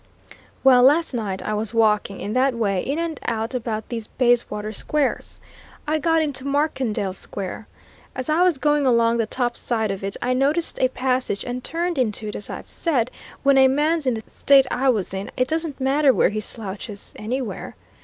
Well, last night I was walking, in that way, in and out about these Bayswater squares. I got into Markendale Square. As I was going along the top side of it, I noticed a passage and turned into it as I've said, when a man's in the state I was in, it doesn't matter where he slouches anywhere!